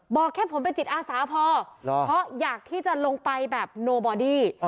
บอกแค่ผมเป็นจิตอาสาพอเพราะอยากที่จะลงไปแบบโนบอดี้